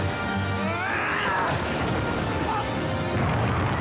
うわ！